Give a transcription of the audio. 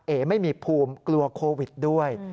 เอ๋ไม่มีภูมิกลัวโควิดด้วย